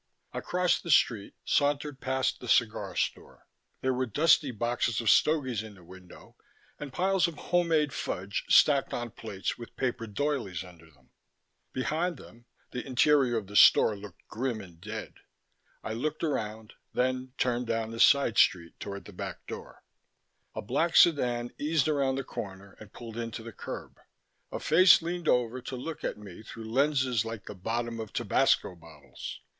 I crossed the street, sauntered past the cigar store. There were dusty boxes of stogies in the window and piles of homemade fudge stacked on plates with paper doilies under them. Behind them, the interior of the store looked grim and dead. I looked around, then turned down the side street toward the back door A black sedan eased around the corner and pulled in to the curb. A face leaned over to look at me through lenses like the bottoms of tabasco bottles.